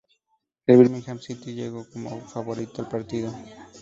El Birmingham City llegó como favorito al partido.